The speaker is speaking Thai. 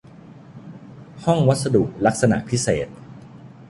ห้องวัสดุลักษณะพิเศษ